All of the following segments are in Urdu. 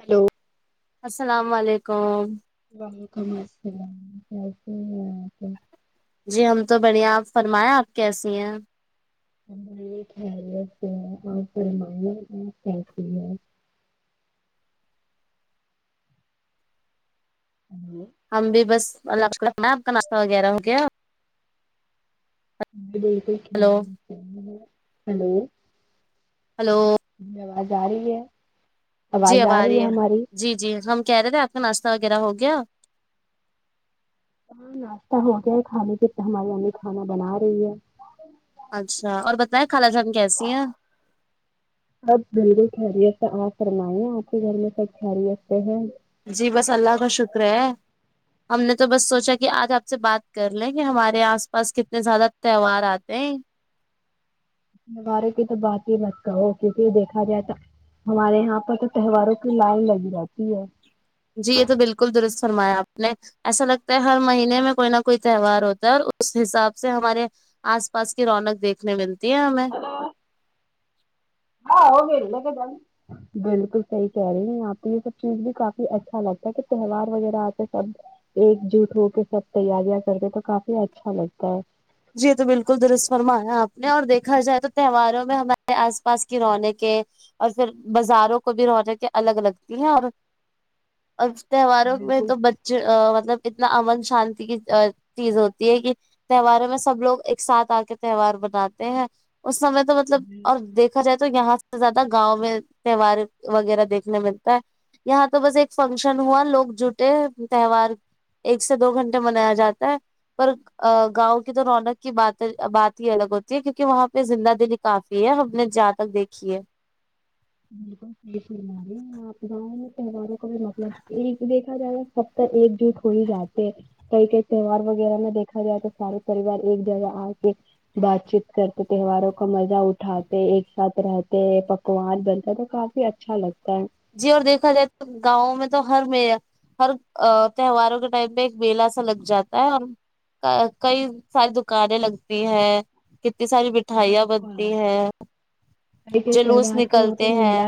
ہیلو السلام والیکم وعلیکم السلام آپ خیریت ہے وہاں پہ جی ہم تو بڑھیا آپ فرمایں آپ کیسی ہیں ہماری خیریت ہے اور فرمایئے اپ کیسی ہے [inaudible] ہم بھی بس اللہ کا شکر ہے مےم آپ کا ناشہ وغیرہ ہو گیا بالکل ہلو خیریت سے ہوں ہلو ہلو آواز آ رہی ہے جی اب آ رہی ہے جی جی ہم کہہ رہے تھے آپ کا ناشتہ وغیرہ ہو گیا ہاں ناشتہ ہو گیا ہے کھانے کے تو ہماری امی کھانا بنا رہی ہے اچھا اور بتائیں خالا جان کیسی ہیں سب بالکل خیریت سے آپ فرمایں آپ کے گھر میں سب خیریت سے ہیں جی بس اللہ کا شکر ہے ہم نے تو بس سوچا کہ آج آپ سے بات کر لیں کہ ہمارے آس پاس کتنے زیادہ تہوار آتے ہیں مہوارو کی تو بات ہی لگتا ہے کرو کیونکہ دیکھا جائے تو ہمارے یہاں پر تو تہواروں کی لائن لگی رہتی ہے جی یہ تو بلکل درست فرمایا آپ نے ایسا لگتا ہے ہر مہینے میں کوئی نہ کوئی تہوار ہوتا ہے اور اس حساب سے ہمارے آس پاس کی رونق دیکھنے ملتی ہے ہمیں ہاں وہ گری لے کہ ج بلکل صحیح کہہ رہی ہیں آپ کو یہ سب چیز بھی کافی اچھا لگتا ہے کہ تہوار وغیرہ آتے سب ایک جٹ ہو کے سب تیاریاں کرتے تو کافی اچھا لگتا ہے جی تو بلکل درست فرمایا آپ نے اور دیکھا جائے تو تہواروں میں ہمارے آس پاس کی رونقیں اور پھر بزاروں کو بھی رونقیں الگ لگتی ہیں اور اب تہواروں میں بالکل تو بچ چے مطلب اتنا امن شانتی کی چیز ہوتی ہے کہ تہواروں میں سب لوگ ایک ساتھ آ کے تہوار مناتے ہیں اس سمے تو مطلب اور دیکھا جائے تو یہاں سے زیادہ گاؤں میں تہوار وغیرہ دیکھنے ملتا ہے یہاں تو بس ایک فنشن ہوا لوگ جٹے تہوار ایک سے دو گھنٹے منایا جاتا ہے پر گاؤں تو رونق کی بات بات ہی الگ ہوتی ہے کیونکہ وہاں پہ زندہ دللی کافی ہے ہم نے جہاں تک دیکھی ہے [inaudible] گاؤں میں تہواروں کو بھی مطلب ایک دیکھا جائے گا سب تر ایک جٹ ہو ہی جاتے کئی کئی تہوار وغیرہ میں دیکھا جائے تو سارے پریوار ایک جگہ آ کے بات چیت کرتے تہواروں کا مزہ اٹھاتے ایک ساتھ رہتے پکوان بن آ تو کافی اچھا لگتا ہے جی اور دیکھا جائے تو گاؤں میں تو ہر میر ہر تہواروں کے ٹائم میں ایک میلہ سا لگ جاتا ہے ہم کئی ساری دکانیں لگتی ہیں کتنی ساری مٹھایاں بنتی ہے کئی کئی جلوس تہوار نکلتے ہیں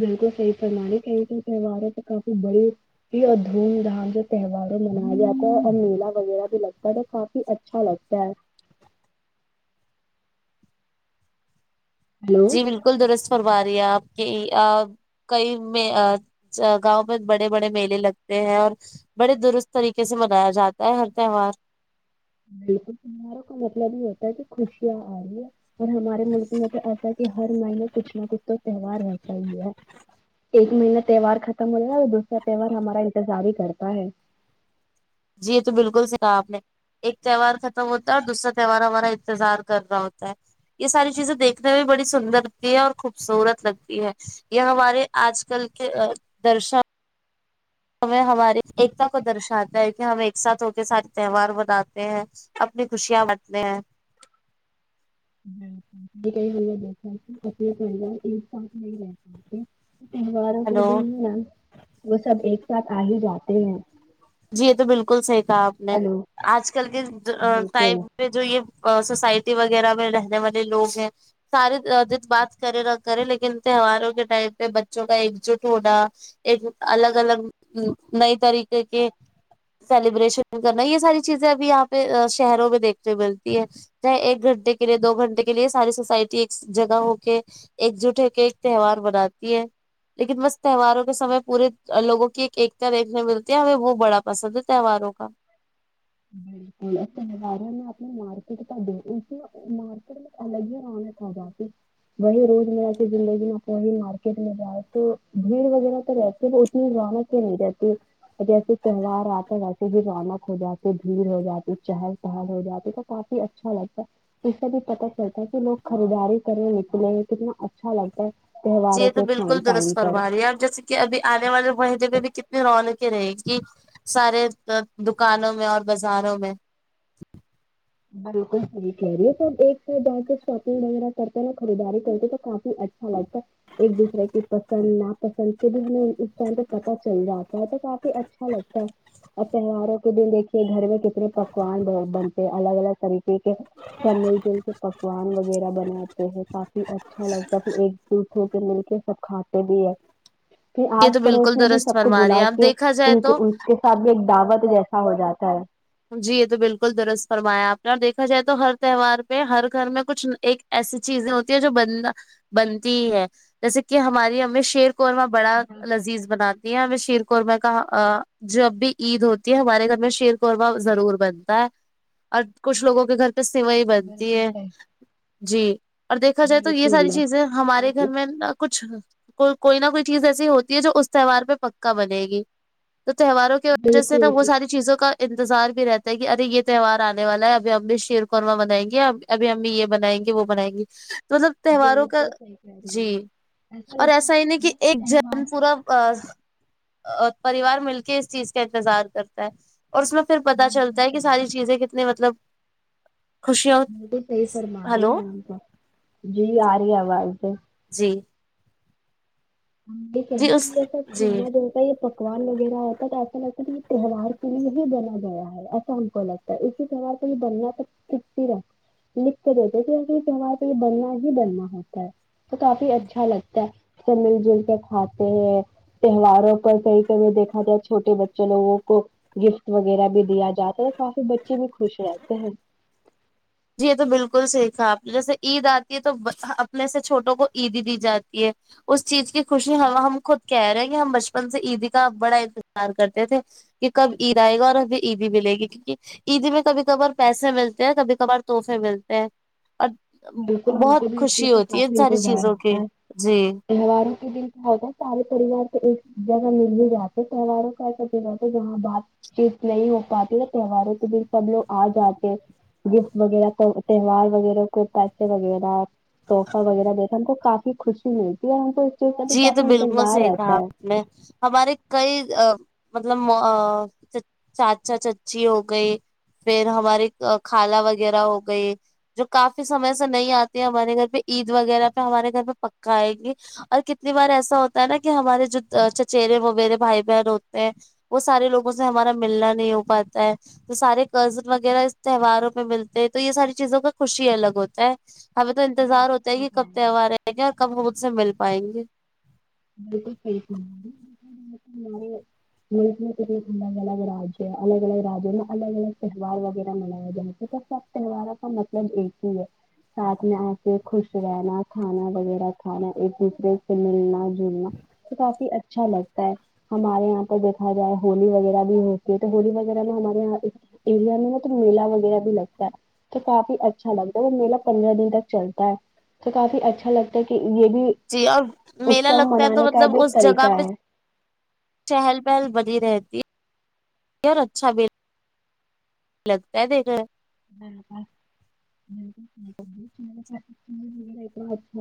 بلکل صحیح پر مانی کئی تو تہوار ہے تو کافی بڑی یہ اور دھوم دھام جو تہوار منایا جاتا ہے اور میلا وغیرہ بھی لگتا ہے تو کافی اچ اچھا لگتا ہے ہلو جی بالکل درست فرما رہی ہے آپ کی آں کئی مے گاؤں میں بڑے بڑے میلے لگتے ہیں اور بڑے درست طریقے سے منایا جاتا ہے ہر تہوار بلکل تہواروں کا مطلب یہ ہوتا ہے کہ خوشیاں آۓ اور ہمارے ملک میں تو ایسا ہے کہ ہر مہینے کچھ نہ کچھ تو تہوار رہتا ہی ہے ایک مہینہ تہوار ختم ہو جائے اور دوسرا تہوہار ہمارا انتظار ہی کرتا ہے جی یہ تو بلکل سیکا آپ نے ایک تہوار ختم ہوتا ہے اور دوسرا تہوار ہمارا انتظار کر را ہوتا ہے یہ ساری چیزیں دیکھنے میں بڑی سندر لگتی ہے اور خوبصورت لگتی ہے یہ ہمارے آج کل کے آں درشا ہمیں ہماری ایکتا کو درشاتا ہے کہ ہم ایک ساتھ ہو کے سارے تہوار مناتے ہیں اپنی خوشیاں بانٹتے ہیں [unintelligible] تہواروں کے ہلو دن نا وہ سب ایک ساتھ آ ہی جاتے ہیں جی یہ تو بلکل صحیح کہا آپ نے ہلو آج کل کے جے ٹائ بالکل جو یہ سوسائٹی وغیرہ میں رہنے والے لوگ ہیں سارے بات کرے نہ کرے لیکن تہواروں کے ٹائم پہ بچوں کا ایک جٹ ہونا ایک الگ الگ نئی طریقے کے سیلیبریشن کرنا یہ ساری چیزیں ابھی یہاں پہ شہروں میں دیکھنے ملتی ہے چاہے ایک گھنٹے کے لیے دو گھنٹے کے لیے ساری سوسائٹی ایک جگہ ہو کے ایک جٹ ہو کے ایک تہوار بناتی ہے لیکن بس تہواروں کے سمے پورے لوگوں کی ایک ایکتا دیکھنے میں ملتی ہے ہمیں وہ بڑا پسند ہے تہواروں کا بالکل تہواروں نے اپنی مارکیٹ کا مارکی الگ ہی رونق آجاتی وہی روز مرہ کے زندگی مے آپ وہی مارکیٹ میں جاۓ تو بھیڑ وغیرہ تو رہتی رونق ہی نہیں رہتی جیسے تہوار آتا ویسے ہی رونق ہو جاتی بھیڑ ہو جاتی چہل پہل ہو جاتی تو کافی اچھا لگتا ہے اس سے بھی پتہ چلتا ہے کہ لوگ خریداری کریں نکلے ہیں کتنا اچ اچھا لگتا ہے تہواروں کے ٹائم پر ارے یار جیسے کہ ابھی آنے والے مہینے پ بھی کتنی رونقیں رہیں گی سارے دکانوں میں اور بازاروں میں بالکل ٹھیک ہے یہ سب ایک سب شاپنگ وغیرہ کرتے ن خریداری کرتے تو کافی اچا اچھا لگتا ایک دوسرے کی پسند نا پسند کے بھی ہمیں اس ٹائم تو پت چل جاتا ہے تو کافی اچھا اچا لگتا ہے اور تہواروں کے دن دیکھیے گھر میں کتنے پکوان بنتے ہیں الگ الگ طریقے کے سب مل جھول کے پکوان وغیرہ بناتے کافی اچھا لگتا ہے ایک دوسرے سے مل کے سب کھاتے بھی ہے کہ یہ آس تو پڑوس بالکل میں بھی درست سب کو فرما رہی بلا ہے اب کے دیکھا جائے س تو کے ان کے ساتھ بھی ایک دعوت جیسا ہو جاتا ہے جی یہ تو بالکل درست فرمایا آپ نے اور دیکھا جائے تو ہر تہوار پہ ہر گھر میں کچھ ایک ایسی چیزیں ہوتی ہیں جو بن بنتی ہیں جیسے کہ ہماری ہمیں شیر قورما بڑا لذیذ بنا ہمیں شیرخورمہ کا جب بھی عید ہوتی ہے ہمارے گھر میں شیر خورمہ ضرور بنتا ہے اور کچھ لوگوں کے گھر پہ سوائی بنتی ہے جی اور دیکھا جائے تو یہ ساری بالکل چیزیں ہمارے گھر میں نا کچھ کو کوئی نہ کوئی چیز ایسی ہوتی ہے جو اس تہوار پہ پکا بنے گی تو تہواروں کی وجہ سے نا وہ بالکل ساری چیزوں کا انتظار بھی رہتا ہے کہ ارے یہ تہوار آنے والا ہے ابھی ہم بھی شیر خورمہ بنائیں گے ہم ابھی ہم بھی یہ بنائیں گے وہ بنائیں گے تو مطلب تہواروں کا کہہ جی رہی ہے اور ایسا ہی نہیں کہ ایک جن پورا اور پریوار مل کے اس چیز کا انتظار کرتا ہے اور اس میں پھر پتہ چلتا ہے کہ ساری چیزیں کتنی مطلب خوشیاں ب تو صحیح فرما رہی ہلو ہیں ہم تو جی آ رہی ہے آواز سے جی جی [unintelligible] یہ اس جی پکوان وغیرہ ہوتا تو ایسا ن یہ تہوار کے لیے ہی بنا گیا ہے ایسا انکو لگتا ہے اسی تہوار پہ تو [unintelligible] لکھ کے دیتے ہیں کے اس تہوارے پہ یہ بننا ہی بننا ہوتا ہے تو کافی اچھا لگتا ہے سب مل جھل کے کھاتے ہیں تہواروں پر کئی کئی دیکھا جائے چھوٹے بچے لوگوں کو گفٹ وغیرہ بھی دیا جاتا ہے تو کافی بچے بھی خوش رہتے ہیں جی یہ تو بالکل سیکھا آپ نے جیسے عید آتی ہے تو اپنے سے چھوٹوں کو عیدی دی جاتی ہے اس چیز کی خوشی ہم خود کہہ رہے ہیں کہ ہم بچپن سے عیدی کا بڑا انتظار کرتے تھے کب عید آئے گا اور ہمیں عیدی ملے گی کیونکہ عید میں کبھی کبار پیسے ملتے ہیں کبھی کبار تحفے ملتے ہیں اور بالکل ہم بہت کو بھی اس چیز خوشی کا ہوتی ہے ان کافی ساری انتظار چیزوں ہوتا کی ہے جی تہواروں کے دن تو ہوتا ہے سارے پریوار تو ایک جگہ مل ہی جاتے تہواروں [unintelligible] جہاں بات چیت نہیں ہو پاتی نا تہواروں کے دن سب لوگ آ جاتے گفٹ وغیرہ تہوار وغیرہ پیسے وغیرہ تحفہ وغیرہ دیکھ ہم کو کافی خوشی ملتی ہے ہم کو اس کا بھی کافی انتظار رہتا ہے میں ہمارے کئی مطلب چاچا چچی ہو گئے پھر ہماری خالہ وغیرہ ہو گئی جو کافی سمے سے نہیں آتے ہمارے گھر پہ عید وغیرہ پہ ہمارے گھر پے پکا آئینگے اور کتنی بار ایسا ہوتا ہے نا کہ ہمارے جو چچرے ممیرے بھائی بہن ہوتے ہیں وہ سارے لوگوں سے ہمارا ملنا نہیں ہو پاتا ہے تو سارے کذن وغیرہ اس تہواروں میں ملتے ہیں تو یہ ساری چیزوں کا خوشی الگ ہوتا ہے ہمیں تو انتظار ہوتا ہے کہ کب تہوار آئیں گے اور کب ہم انسے سے مل پائیں گے بلکل صحیح کہا [inaudible] [unintelligible] تہواروں کا مطلب ایک ہی ہے ساتھ میں آ کے خوش رہنا کھانا وغیرہ کھانا ایک دوسرے سے ملنا تو کافی اچھا لگتا ہے ہمارے یہاں پر دیکھا جائے ہولی وغیرہ بھی ہوتی ہے تو ہولی وغیرہ میں ہمارے یہاں ایک انڈیا میں نہ تو میلا وغیرہ بھی لگتا ہے تو کافی اچھا لگتا ہے وہ میلہ پندرہ دن تک چلتا ہے تو کافی اچھا لگتا ہے کہ یہ بھی جی اور میلا اتسو لگتا ہے تو منانے کا مطلب بھی ایک اس جگہ طریقہ پہ ہے چہل پہل بنی رہتی ہے اور اچھا بھی لگتا ہے دیکھنے [unintelligible] اور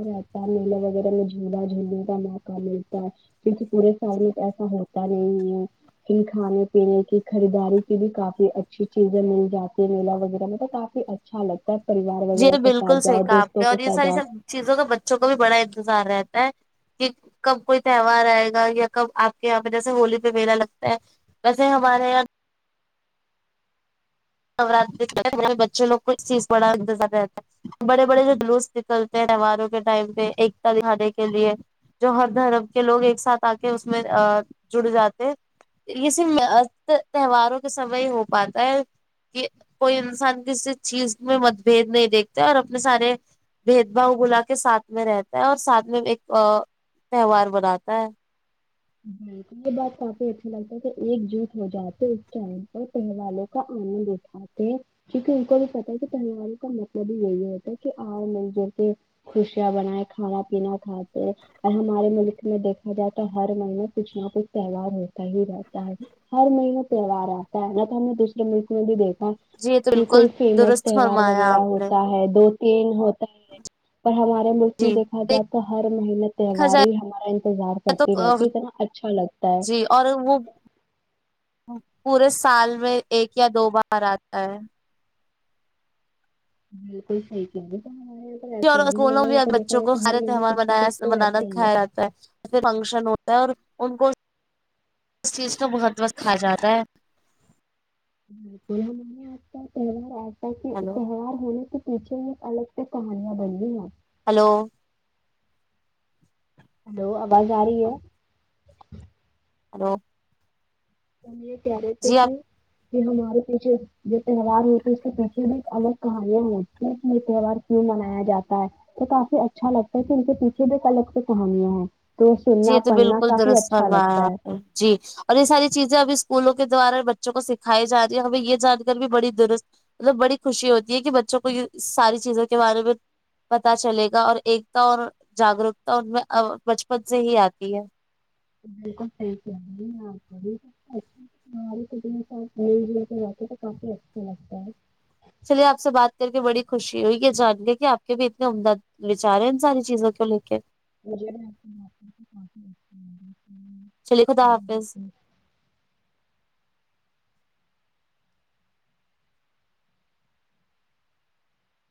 رہتا میلاے وغیرہ میں جھولا جھولنے کا موقع ملتا ہے کیونکہ پورے سال میں ایسا ہوتا نہیں ہے کی کھانے پینے کی خریداری کی بھی کافی اچھی چیزیں مل جاتی ہیں میلا وغیرہ تو کافی اچھا لگتا ہے پریوار جی وغیرہ کے سھ بالکل صحیح جاؤ کہا آپ دوستوں نے کے اور یہ سھ ساری جاؤ سب چیزوں کا بچوں کو بھی بڑا انتظار رہتا ہے کی کب کوئی تہوار آئے گا یا کب آپ کے یہاں پہ جیسے ہولی پہ میلہ لگتا ہے ویسے ہمارے یہاں نوراتری میں بچے لوک اس چیز بڑا انتظار رہتا ہے بڑے بڑے جلوس نکلتے ہیں تہواروں کے ٹائم پہ ایکتا دکھانے کے لیے جو ہر دھرم کے لوگ ایک ساتھ آ کے اس میں جڑ جاتے یہ صرف تہواروں کے سمئے ہی ہو پاتا ہے کہ کوئی انسان کسی چیز میں مت بھید نہیں دیکھتے اور اپنے سارے بھید بھؤ بلا کے ساتھ میں رہتا ہے اور ساتھ میں ایک تہوار بناتا ہے ہم بلکل یہ بات کافی اچھا لگتا ہے کہ ایک جٹ ہو جاتے اس ٹائم پر [unintelligible] کیونکہ ان کو بھی پتا ہے کہ پواروں کا مطلب ہی یہی ہوتا ہے کہ آ مل جیے خوشیاں بنائے کھانا پینا کھاتے ہیں اور ہمارے ملک میں دیکھا جائے تو ہر مہینے کچھ نہ کچھ تہوار ہوتا ہی رہتا ہے ہر مہینے تہوار آتا ہے نہ تو ہم نے دوسرے ملک میں بھی دیکھا ہے جی یہ تو کہ بالکل کوئی فیمس درست تہوار فرمایا وغیرہ آپ نے ہوتا ہے دو تین ہوتا ہے [inaudible] پر ہمارے ملک میں جی دیکھا جائے تو ہر مہینے دیکھا تہوار ہی جائے ہمارا انتظار کرتی تو رہتی ہے نا اچھا لگتا ہے جی اور وہ پورے سال میں ایک یا دو بار آتا ہے بلکل صحی کہا اور کوونوں میں بچوں کو ہارے تہوار کچھ نہ منایا کچھ تو منانا رہتا ہی ہے کھایا جا [unintelligible] ایسے فنکشن ہوتا ہے اور ان کو اس چیز کو بہت وقت کھا جاتا ہے بالک ہمارے آج کل تہوار آ ہلو تہوار ہونے سے پیچھے ایک الگ سے کہانیاں بنلی ہیں ہیلو ہیلو آواز آ رہی ہے ہیلو تو تار تو جی آپ کہ کہ ہمارے پی جو جو تہوار ہوتے ہے اس کے پیچھے بھی المگ کہانیاں ہوتی ہیں کہ یہ تہوار کیوں منایا جاتا ہے تو کافی اچھا لگتا ہے کہ ان کے پیچھے بھی الگ سے کہانیاں ہیں تو جی یہ سننا تو پڑھنا بلکل کافی درس اچھا فمیا لگتا ہے آپ جی اور یہ ساری چیزیں اھی اسکولوں کے دوارا بچوں کو سکھائی جای ہے ہمیں یہ جان کر بھی بڑی درست مطلب بڑی خوشی ہوتی ہے کہ بچوں کو ساری چیزوں کے بارے میں پتا چلے گا اور ایکتا اور جاگروکتا ان میں بچپن سے ہی آتی ہے بلکل صحی فرمارہی ہے آپ ہ [unintelligible] لے کے جاتے تو کافی اچھا لگتا ہے چلیے آپ سے بات کر کے بڑی خوشی ہوئی یہ جان کے کہ آپ کے بھی اتنی عمداد بچارے ان ساری چیزوں کو لے کے [unintelligible] چلیے خدا حافظ